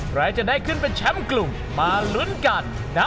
ใครจะได้ขึ้นเป็นแชมป์กลุ่มมาลุ้นกันนะ